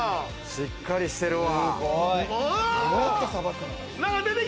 しっかりしてるわ。